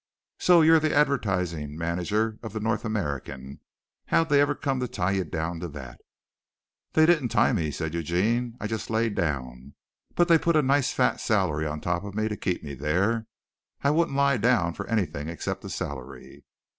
"So you're the advertising manager of the North American. How'd they ever come to tie you down to that?" "They didn't tie me," said Eugene. "I just lay down. But they put a nice fat salary on top of me to keep me there. I wouldn't lie down for anything except a salary."